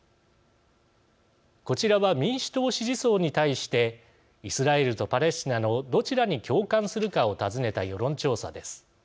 こちらは、民主党支持層に対してイスラエルとパレスチナのどちらに共感するかを尋ねた世論調査です。